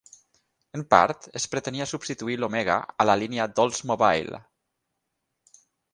En part, es pretenia substituir l'Omega a la línia d'Oldsmobile.